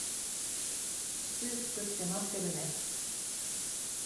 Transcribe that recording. シチュー作って待ってるね。